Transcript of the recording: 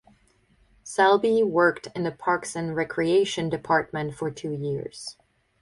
Selby worked in the parks and recreation department for two years.